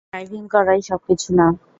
Driving করাই সবকিছু না।